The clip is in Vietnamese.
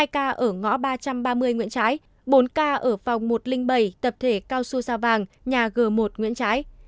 hai ca ở ngõ ba trăm ba mươi nguyễn trái bốn k ở phòng một trăm linh bảy tập thể cao su sao vàng nhà g một nguyễn trãi